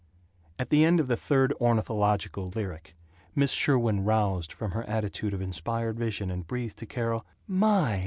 At the end of the third ornithological lyric Miss Sherwin roused from her attitude of inspired vision and breathed to Carol, "My!